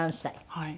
はい。